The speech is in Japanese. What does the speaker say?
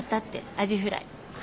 アジフライ。